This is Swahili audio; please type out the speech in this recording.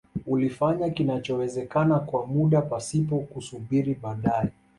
Ulifanya kinachowezeka kwa muda pasipo kusubiri baadae